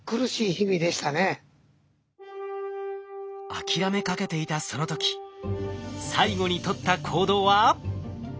諦めかけていたその時最後に取った行動は。